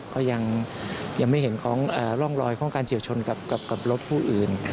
ก็ยังไม่เห็นของร่องรอยของการเฉียวชนกับรถผู้อื่น